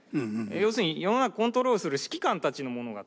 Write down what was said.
要するに世の中をコントロールする指揮官たちの物語。